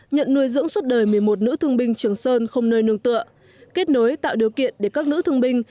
nhận nuôi dưỡng suốt đời một mươi một nữ thương binh trường sơn không nơi nương tựa kết nối tạo điều kiện để các nữ thương binh